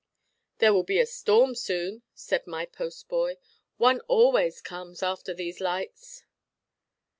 "There will be a storm, soon," said my post boy; "one always comes, after these lights."